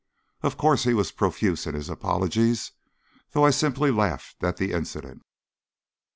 Of course, he was profuse in his apologies, though I simply laughed at the incident.